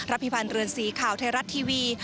พิพันธ์เรือนสีข่าวไทยรัฐทีวี